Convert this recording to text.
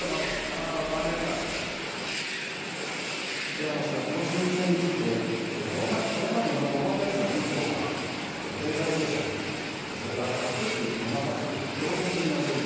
枝野氏はこの衆院選についてこれまでのコロナ対策の評価経済政策それから隠すごまかす強権的な政治